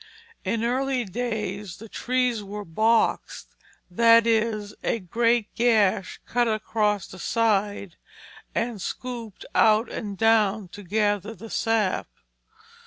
In earlier days the trees were "boxed," that is, a great gash cut across the side and scooped out and down to gather the sap.